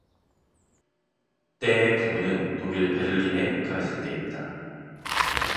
때에 부군은 독일 베를린에 가있을 때입니다